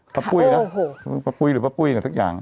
พระปุ้ยนะพระปุ้ยหรือพระปุ้ยหรือทุกอย่าง